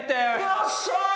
よっしゃ！